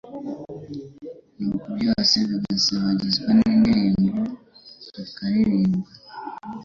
Nuko byose bigasabagizwa n’ibyishimo bikaririmba